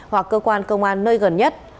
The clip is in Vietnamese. hoặc cơ quan công an nơi gần nhất